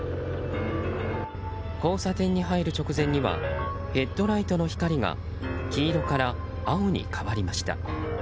交差点に入る直前にはヘッドライトの光が黄色から青に変わりました。